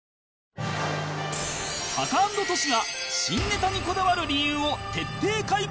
タカアンドトシが新ネタにこだわる理由を徹底解剖